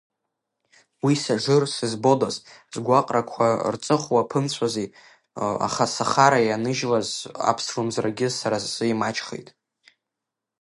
Уи сажыр, сызбодаз, сгуаҟрақуа рҵыхуа ԥымҵәози, аха Сахара ианыжьлаз аԥслымӡрагьы сара сзы имаҷхеит…